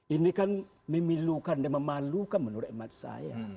ini kan memilukan dan memalukan menurut emat saya